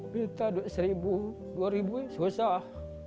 bisa duit seribu dua ribu susah